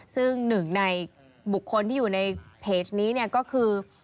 ซึ่งหนึ่งในบุคคลที่อยู่ในเพจนี้เนี่ยก็คือ